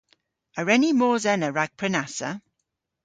A wren ni mos ena rag prenassa?